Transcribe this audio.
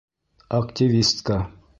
Активистка!